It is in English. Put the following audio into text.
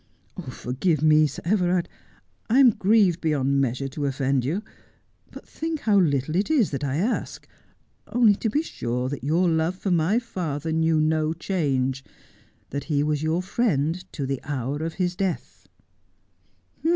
' Forgive me, Sir Everard. I am grieved beyond measure to 132 Just as I Am. offend you, but think how little it is I ask— only to be sure that your love for my father knew no change ; that he was your friend to the hour of his death.'